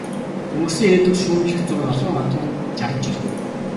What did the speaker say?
Өнгөрсөн ирээдүйг шүүмжлэх зуур олон одон жарав, жирэв.